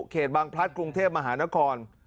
เขตบังพลัทธ์กรุงเทพฯมหานคร